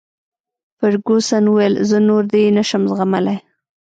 فرګوسن وویل: زه نور دی نه شم زغملای.